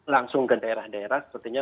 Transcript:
langsung ke daerah daerah sepertinya